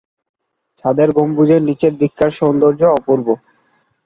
ছাদের গম্বুজের নিচের দিককার সৌন্দর্য অপূর্ব।